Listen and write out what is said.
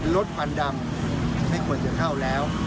ควันดำไม่ควรจะเข้าแล้ว